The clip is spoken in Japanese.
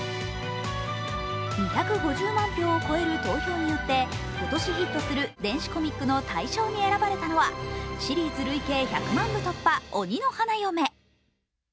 ２５０万票を超える投票によって今年、ヒットする電子コミックの大賞に選ばれたのはシリーズ累計１００万部突破、「鬼の花嫁」。